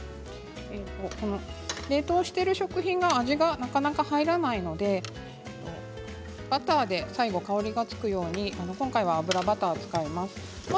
冷凍している食品は味がなかなか入らないのでバターで最後、香りがつくように今回はバターを使います。